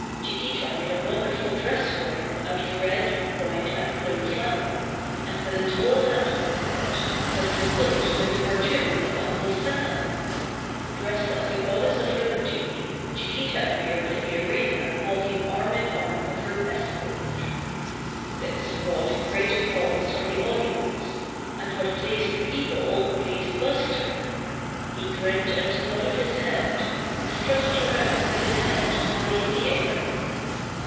Chi quita made a wonderful dress for him out of red, white and blue flannel, and with a tall hat on his head Buster looked like the cartoon of Uncle Sam. Dressed as the goddess of lib erty, Chiquita appeared in the arena walking arm in arm with her escort. This brought great applause from the audi ence, and what pleased the people pleased Buster. He grinned and nodded his head, and strutted around with his head high in the air.